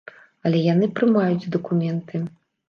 Але яны прымаюць дакументы.